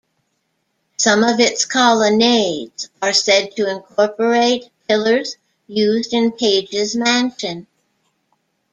Some of its colonnades are said to incorporate pillars used in Page's mansion.